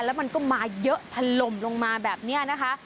แล้วมันก็มาเยอะถล่มลงมาแบบนี้นะคะ